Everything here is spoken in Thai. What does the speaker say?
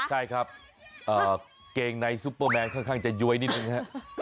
ใช่ครับเกงในซุปเปอร์แมนค่อนข้างจะย้วยนิดนึงครับ